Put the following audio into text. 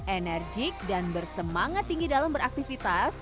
enerjik dan bersemangat tinggi dalam beraktivitas